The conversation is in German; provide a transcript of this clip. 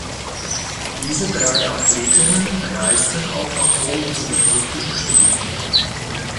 Diese drei Athletinnen reisten auch nach Rom zu den Olympischen Spielen.